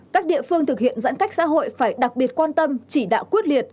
các địa phương thực hiện giãn cách xã hội phải đặc biệt quan tâm chỉ đạo quyết liệt